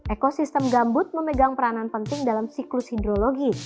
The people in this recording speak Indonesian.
ekosistem gambut memegang peranan penting dalam siklus hidrologi